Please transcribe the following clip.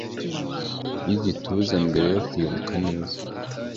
y'igituza mbere yo kwibuka neza